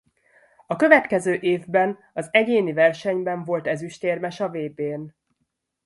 A következő évben az egyéni versenyben volt ezüstérmes a vb-n.